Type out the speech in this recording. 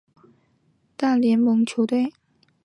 著名古巴国家队已经在一些对抗赛中打败大联盟球队。